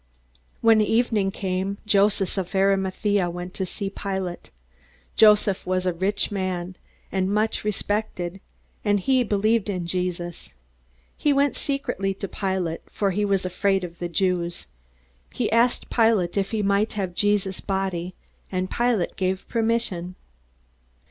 When evening came, a man named Joseph of Arimathaea went to see Pilate. Joseph was a rich man, and much respected; and he had believed in Jesus. He went secretly to Pilate, for he was afraid of the Jews. He asked Pilate if he might have Jesus' body, and Pilate gave permission.